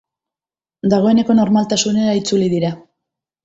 Dagoeneko, normaltasunera itzuli dira.